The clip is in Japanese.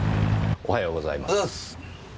おはようございます。